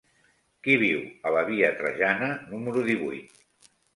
Qui viu a la via Trajana número divuit?